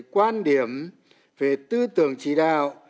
những quan điểm về tư tưởng chỉ đạo